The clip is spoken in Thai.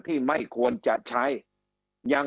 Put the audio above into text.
คำอภิปรายของสอสอพักเก้าไกลคนหนึ่ง